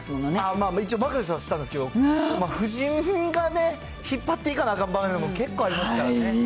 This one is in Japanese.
まあ、一応、マクベスはしたんですけど、夫人がね、引っ張っていかなあかん場面も結構ありますからね。